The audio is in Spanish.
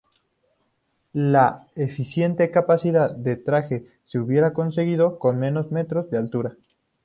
La eficiente capacidad de tiraje se hubiera conseguido con menos metros de altura.